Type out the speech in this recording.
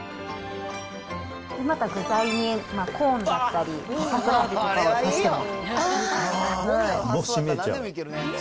また具材にコーンだったり、桜エビとかを足しても。